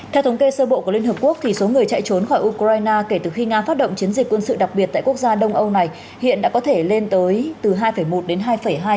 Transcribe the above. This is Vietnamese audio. theo thống kê sơ bộ của liên hợp quốc số người chạy trốn khỏi ukraine kể từ khi nga phát động chiến dịch quân sự đặc biệt tại quốc gia đông âu này hiện đã có thể lên tới từ hai một đến hai hai